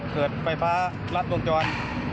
เกิดไฟฟ้ารัดวงจร